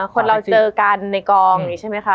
คนเราเจอกันในกองใช่มั้ยคะ